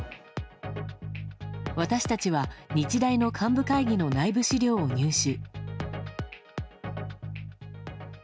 私たちは、日大の幹部会議の内部資料を入手。